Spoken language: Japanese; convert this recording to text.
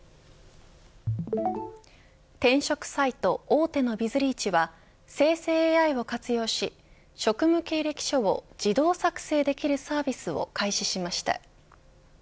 転職サイト大手のビズリーチは生成ＡＩを活用し職務経歴書を自動作成できるサービスを開始しました。